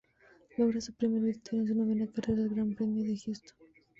Logra su primera victoria en su novena carrera, el Gran Premio de Houston.